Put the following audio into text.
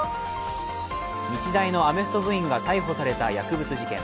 日大のアメフト部員が逮捕された薬物事件